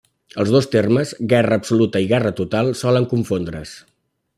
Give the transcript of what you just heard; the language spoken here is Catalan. Els dos termes, guerra absoluta i guerra total, solen confondre's.